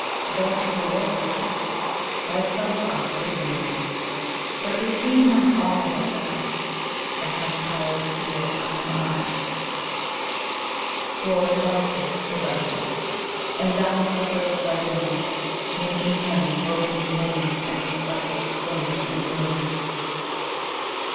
Dark is the world to thee: thyself art the reason why; For is He not all but thou, that hast power to feel 'I am I'?Glory about thee, without thee; and thou fulfillest thy doom, Making Him broken gleams, and a stifled splendour and gloom.